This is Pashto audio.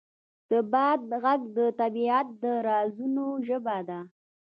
د باد غږ د طبیعت د رازونو ژبه ده.